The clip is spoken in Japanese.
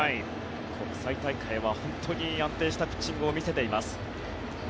国際大会は本当に安定したピッチングを見せています。